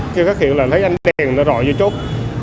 khi phát hiện là thấy ánh đèn nó rọi vô chốt